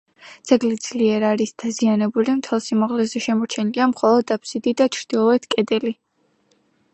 ძეგლი ძლიერ არის დაზიანებული, მთელ სიმაღლეზე შემორჩენილია მხოლოდ აბსიდი და ჩრდილოეთ კედელი.